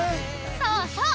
そうそう。